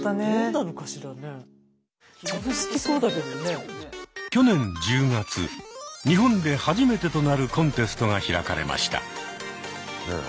「阿佐ヶ谷パラダイス」去年１０月日本で初めてとなるコンテストが開かれました。